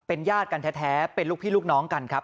ญาติกันแท้เป็นลูกพี่ลูกน้องกันครับ